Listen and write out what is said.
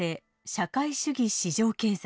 社会主義市場経済。